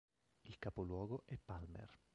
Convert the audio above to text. Il capoluogo è Palmer.